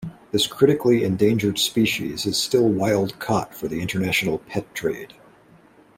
This critically endangered species is still wild-caught for the international pet trade.